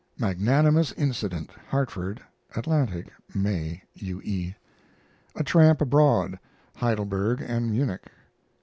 MAGNANIMOUS INCIDENT (Hartford) Atlantic, May. U. E. A TRAMP ABROAD (Heidelberg and Munich).